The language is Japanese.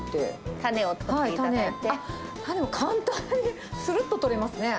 種、簡単に、するっと取れますね。